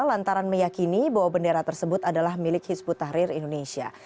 lantaran meyakini bahwa bendera tersebut adalah milik hizbut tahrir indonesia